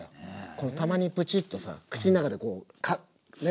このたまにプチッとさ口の中でこうね